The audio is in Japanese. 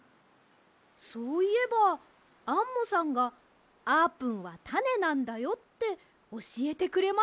そういえばアンモさんが「あーぷんはタネなんだよ」っておしえてくれましたよね。